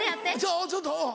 ちょっとうん。